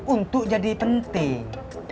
untuk jadi penting